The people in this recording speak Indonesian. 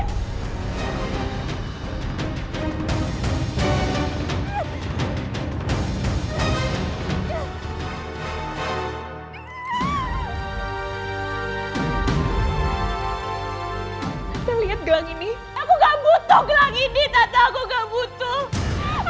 tante lihat gelang ini aku gak butuh gelang ini tante aku gak butuh